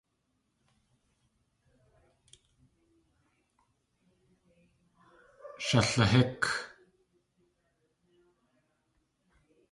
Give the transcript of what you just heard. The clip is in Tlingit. Shalahík!